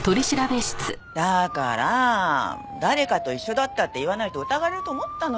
だから誰かと一緒だったって言わないと疑われると思ったのよ。